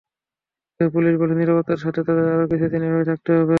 তবে পুলিশ বলছে, নিরাপত্তার স্বার্থে তাঁদের আরও কিছুদিন এভাবেই থাকতে হবে।